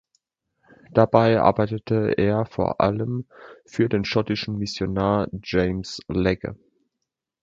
Dabei arbeitete er vor allem für den schottischen Missionar James Legge.